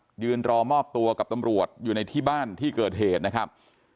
ก็ยืนรอมอบตัวกับตำรวจอยู่ในที่บ้านที่เกิดเหตุนะครับ